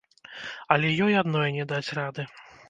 Але ёй адной не даць рады.